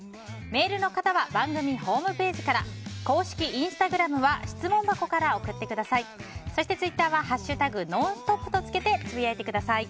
メールの方は番組ホームページから公式インスタグラムは質問箱から送ってください。